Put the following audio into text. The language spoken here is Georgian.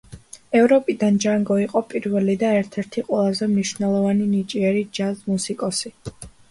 ევროპიდან ჯანგო იყო პირველი და ერთ-ერთი ყველაზე მნიშვნელოვანი ნიჭიერი ჯაზ-მუსიკოსი.